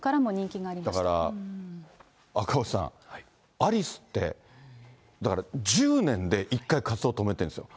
だから赤星さん、アリスって、だから１０年で１回活動止めてるんですよ。